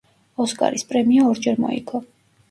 ოსკარის პრემია ორჯერ მოიგო.